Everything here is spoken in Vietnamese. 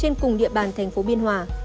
trên cùng địa bàn tp biên hòa